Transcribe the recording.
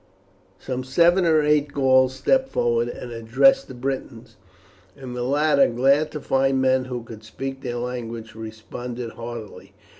Some seven or eight Gauls stepped forward and addressed the Britons, and the latter, glad to find men who could speak their language, responded heartily.